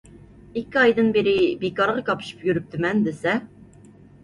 ئىككى ئايدىن بېرى بىكارغا كاپشىپ يۈرۈپتىمەن دېسە.